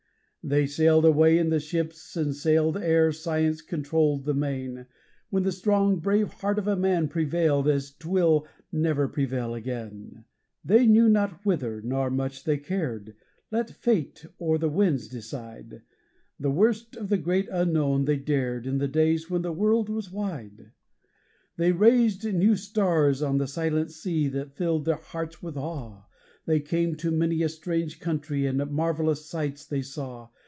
They sailed away in the ships that sailed ere science controlled the main, When the strong, brave heart of a man prevailed as 'twill never prevail again; They knew not whither, nor much they cared let Fate or the winds decide The worst of the Great Unknown they dared in the days when the world was wide. They raised new stars on the silent sea that filled their hearts with awe; They came to many a strange countree and marvellous sights they saw.